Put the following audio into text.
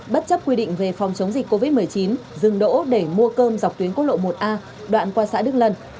bất chấp quy định về phòng chống dịch covid một mươi chín dừng đỗ để mua cơm dọc tuyến quốc lộ một a đoạn qua xã đức lân